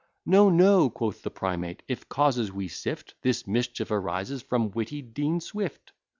"No, no," quoth the Primate, "if causes we sift, This mischief arises from witty Dean Swift."